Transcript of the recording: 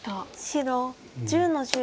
白１０の十。